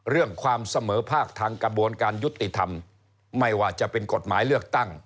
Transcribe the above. เรื่องความเสมอภาคทางกระบวนการยุติธรรมไม่ว่าจะเป็นกฎหมายเลือกตั้ง